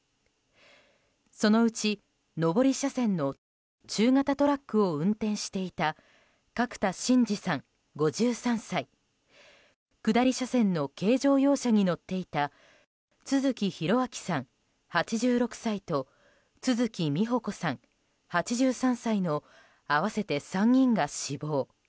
そのうち、上り車線の中型トラックを運転していた角田進治さん、５３歳下り車線の軽乗用車に乗っていた都築弘明さん、８６歳と都築美保子さん、８３歳の合わせて３人が死亡。